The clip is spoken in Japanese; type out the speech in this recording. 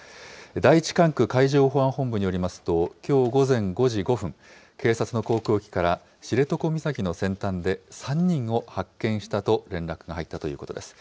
第１管区海上保安本部によりますと、きょう午前５時５分、警察の航空機から、知床岬の先端で３人を発見したと連絡が入ったということです。